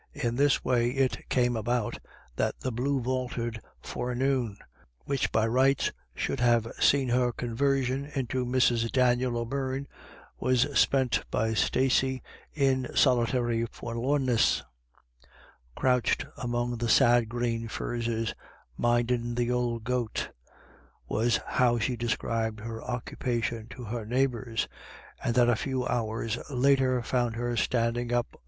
In this way it came about that the blue vaulted forenoon, which by rights should have seen her conversion into Mrs. Daniel O'Beirne, was spent by Stacey in solitary forlornness, crouched among the sad green furzes —" mindin' th' ould goat " was how she described her occupation to her neighbours — and that a few hours later found her standing up 21% IRISH IDYLLS.